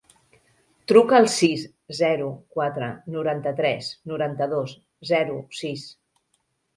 Truca al sis, zero, quatre, noranta-tres, noranta-dos, zero, sis.